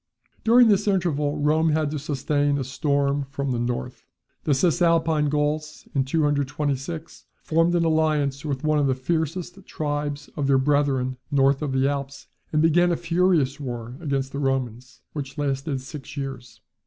During this interval Rome had to sustain a storm from the north. The Cisalpine Gauls, in 226, formed an alliance with one of the fiercest tribes of their brethren north of the Alps, and began a furious war against the Romans, which lasted six years.